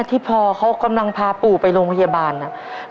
ที่พอเขากำลังพาปู่ไปโรงพยาบาลน่ะ